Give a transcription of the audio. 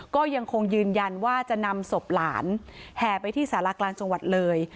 ก็ยังคงยืนยันว่าจะนำศพหลานแห่ไปที่สารากลางจังหวัดเลย